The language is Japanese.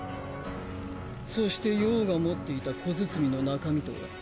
そして葉が持っていた小包の中身とは？